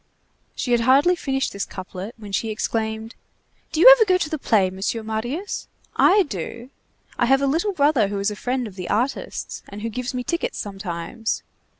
She had hardly finished this couplet, when she exclaimed:— "Do you ever go to the play, Monsieur Marius? I do. I have a little brother who is a friend of the artists, and who gives me tickets sometimes.